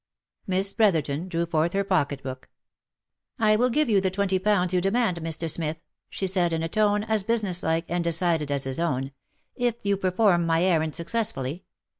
Miss Brotherton drew forth her pocket book. OF MICHAEL ARMSTRONG. 25l " I will give you the twenty pounds you demand, Mr. Smith," she said in a tone as business like and decided as his own, " if you perform my errand successfully.